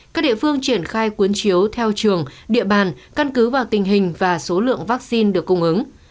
các địa phương triển khai cuốn chiếu theo trường địa bàn căn cứ vào tình hình và số lượng vaccine được cung ứng